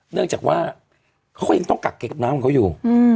เนื่องจากว่าเขาก็ยังต้องกักเก็บน้ำของเขาอยู่